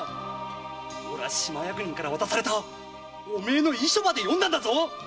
俺は島役人から渡されたお前の遺書まで読んだんだぞ！